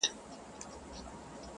پر کاله ټول امتحان راسي مگر.